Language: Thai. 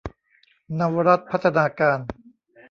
เนาวรัตน์พัฒนาการ